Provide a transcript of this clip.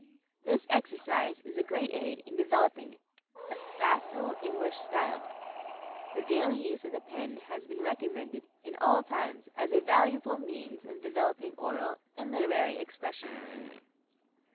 This exercise is a great aid in developing a facile English style. The daily use of the pen has been recommended in all times as a valuable means of developing oral and literary expression.